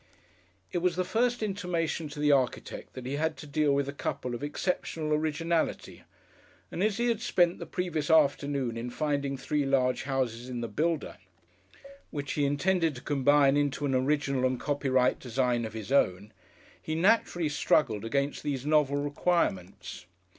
It was the first intimation to the architect that he had to deal with a couple of exceptional originality, and as he had spent the previous afternoon in finding three large houses in The Builder, which he intended to combine into an original and copyright design of his own, he naturally struggled against these novel requirements.